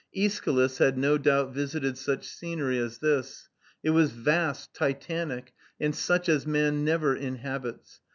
Æschylus had no doubt visited such scenery as this. It was vast, Titanic, and such as man never inhabits.